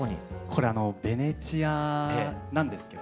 これベネチアなんですけど。